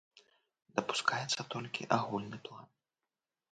Дапускаецца толькі агульны план.